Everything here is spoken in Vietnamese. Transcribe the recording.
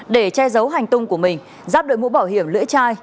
để che giấu hành tung của mình giáp đội mũ bảo hiểm lưỡi chai